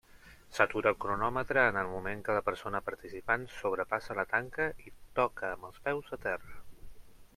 S'atura el cronòmetre en el moment que la persona participant sobrepassa la tanca i toca amb els peus a terra.